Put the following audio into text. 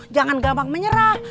jangan gampang menyerah